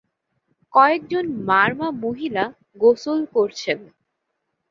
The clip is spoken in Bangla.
কয়েকজন মারমা মহিলা গোসল করছেন।